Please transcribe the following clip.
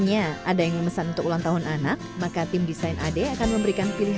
jadi masih kayak anak kecil sekali gitu loh